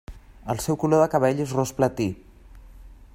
El seu color de cabell és ros platí.